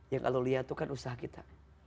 yang kalau lihat tuh kan usaha kita